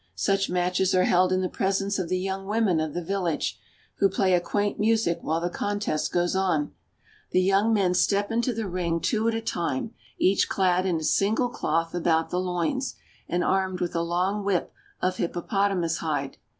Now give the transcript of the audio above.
Such matches are held in the presence of the young women of the village, who play a quaint music while the contest goes on. The young men step into the ring two at a time, each clad in a single cloth about the loins, and armed with a long whip of hippopotamus hide.